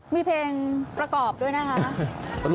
มีเพลงประกอบด้วยนะคะ